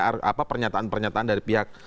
apa pernyataan pernyataan dari pihak